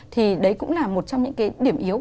thì đấy cũng là một trong những cái điểm yếu